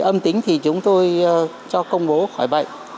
âm tính thì chúng tôi cho công bố khỏi bệnh